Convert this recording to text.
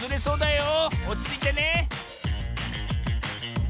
おちついてね